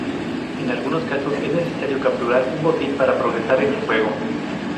En algunos casos es necesario capturar un botín para progresar en el juego.